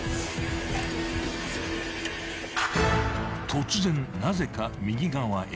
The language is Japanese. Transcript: ［突然なぜか右側へ］